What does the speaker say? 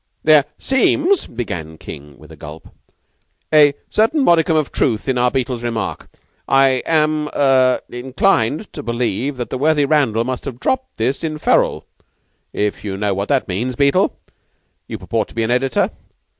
"There seems," King began with a gulp, "a certain modicum of truth in our Beetle's remark. I am er inclined to believe that the worthy Randall must have dropped this in ferule if you know what that means. Beetle, you purport to be an editor.